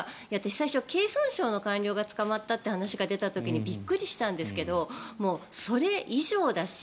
最初、経産省の官僚が捕まったという話が出た時にびっくりしたんですけどそれ以上だし